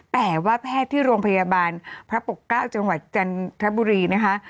แต่ว่าแพทย์ที่โรงพยาบาลพระปกเก้าจังหวัดจันทบุรีนะคะ